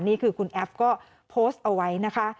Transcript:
นี่คือคุณแอฟก็โพสต์เอาไว้นะคะ